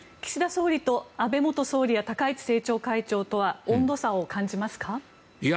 岸田総理と安倍元総理や高市政調会長とは温度差を感じますか？